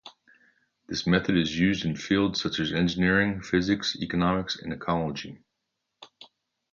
This method is used in fields such as engineering, physics, economics, and ecology.